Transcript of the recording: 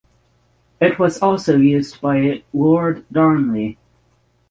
It was also used by Lord Darnley.